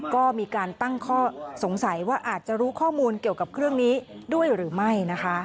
ก็มีการตั้งข้อสงสัยว่าอาจจะรู้ข้อมูลเกี่ยวกับเรื่องนี้ด้วยหรือไม่นะคะ